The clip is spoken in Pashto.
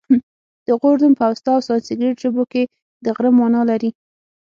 د غور نوم په اوستا او سنسګریت ژبو کې د غره مانا لري